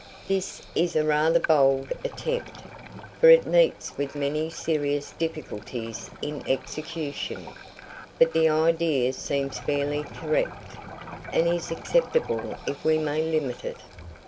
This is a rather bold attempt, for it meets with many serious difficulties in execution; but the idea seems fairly correct, and is acceptable if we may limit it.